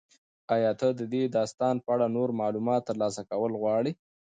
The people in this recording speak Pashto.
ایا ته د دې داستان په اړه نور معلومات ترلاسه کول غواړې؟